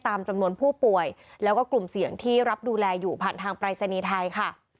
จำนวนผู้ป่วยแล้วก็กลุ่มเสี่ยงที่รับดูแลอยู่ผ่านทางปรายศนีย์ไทยค่ะ